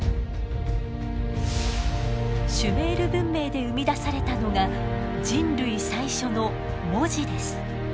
シュメール文明で生み出されたのが人類最初の文字です。